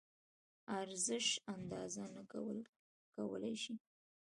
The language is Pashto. ارزش اندازه نه کولی شو.